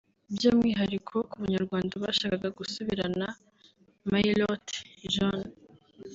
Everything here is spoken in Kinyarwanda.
by’umwihariko ku Banyarwanda bashakaga gusubirana maillot jaune